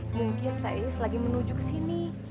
mungkin takis lagi menuju ke sini